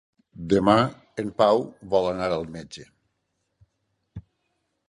Demà en Pau vol anar al metge.